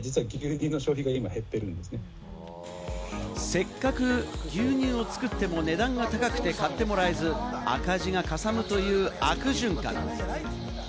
せっかく牛乳を作っても値段が高くて買ってもらえず、赤字がかさむという悪循環。